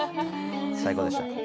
最高でした。